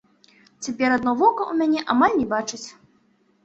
Цяпер адно вока ў мяне амаль не бачыць.